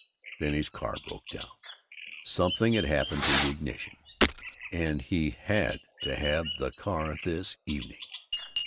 Then his car broke down; something had happened to the ignition. And he had to have the car this evening!